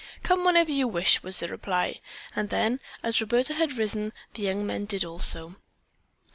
"Come whenever you wish," was the reply. And then, as Roberta had risen, the young men did also.